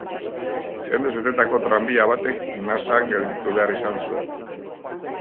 Jendez betetako tranbia batek nasan gelditu behar izan zuen.